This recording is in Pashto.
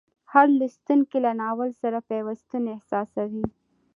هر لوستونکی له ناول سره پیوستون احساسوي.